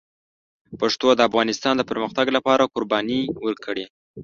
پښتنو د افغانستان د پرمختګ لپاره قربانۍ ورکړي.